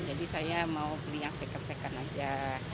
jadi saya mau beli yang second second aja